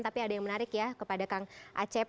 tapi ada yang menarik ya kepada kang acep